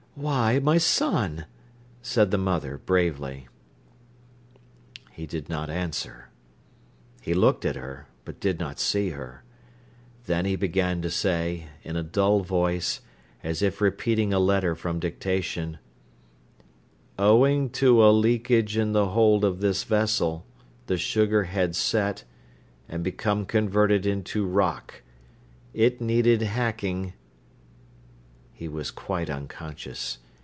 "Why, my son!" said the mother bravely. He did not answer. He looked at her, but did not see her. Then he began to say, in a dull voice, as if repeating a letter from dictation: "Owing to a leakage in the hold of this vessel, the sugar had set, and become converted into rock. It needed hacking—" He was quite unconscious.